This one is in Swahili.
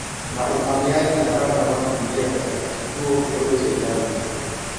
na uhamiaji haramu wanaokimbilia katika kituo kidogo cha italia